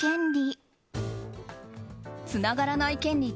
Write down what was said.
つながらない権利。